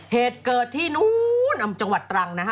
เหตุเกิดที่นู้นอำเภอจังหวัดตรังนะฮะ